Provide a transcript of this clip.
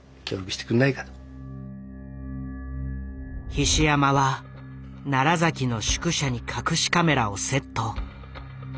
菱山は崎の宿舎に隠しカメラをセット。